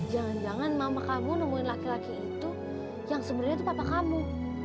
jangan jangan mama kamu nemuin laki laki itu yang sebenarnya itu papa kamu